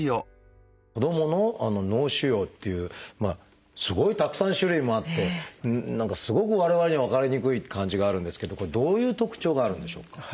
子どもの脳腫瘍っていうすごいたくさん種類もあって何かすごく我々には分かりにくい感じがあるんですけどこれどういう特徴があるんでしょうか？